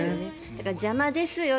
だから邪魔ですよ